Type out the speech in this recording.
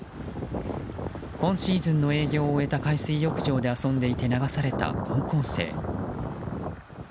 今シーズンの営業を終えた海水浴場で遊んでいて流された高校生。